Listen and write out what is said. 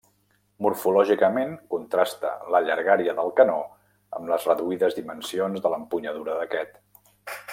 Morfològicament contrasta la llargària del canó amb les reduïdes dimensions de l'empunyadura d'aquest.